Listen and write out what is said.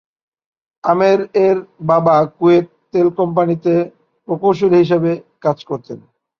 আমের এর বাবা কুয়েত তেল কোম্পানিতে প্রকৌশলী হিসেবে কাজ করতেন।